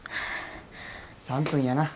３分やな。